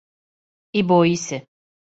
И боји се.